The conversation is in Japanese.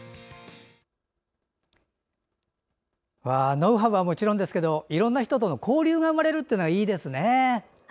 ノウハウはもちろんですがいろんな人との交流が生まれるのはいいですね。